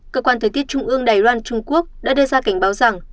cơ quan thời tiết trung ương đài loan trung quốc đã đưa ra cảnh báo rằng